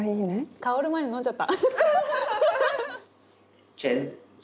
香る前に飲んじゃった。